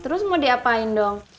terus mau diapain dong